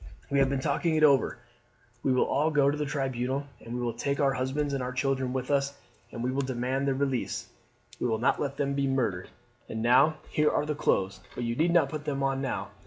We have been talking it over. We will all go to the tribunal, and we will take our husbands and our children with us, and we will demand their release. We will not let them be murdered. And now here are the clothes, but you need not put them on now.